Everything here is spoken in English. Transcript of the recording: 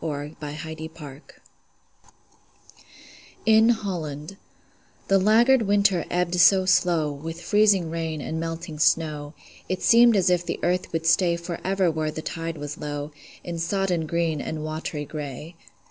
FLOOD TIDE OF FLOWERS IN HOLLAND The laggard winter ebbed so slow With freezing rain and melting snow, It seemed as if the earth would stay Forever where the tide was low, In sodden green and watery gray.